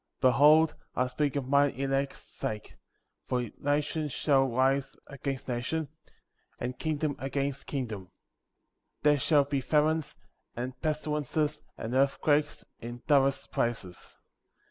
29. Behold I speak for mine elect's sake; for nation shall rise against nation, and kingdom against kingdom; there shall be famines, and pestilences, and earthquakes, in divers places.